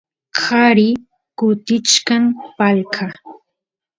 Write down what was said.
qari kutichkan palqa